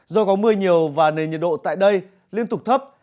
do có mưa nhiều và nền nhiệt độ tại đây liên tục thấp